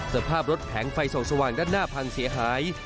สภาพรถแผงไฟส่องสว่างด้านหน้าพังเสียหาย